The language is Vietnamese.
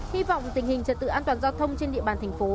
hy vọng tình hình trật tự an toàn giao thông trên địa bàn thành phố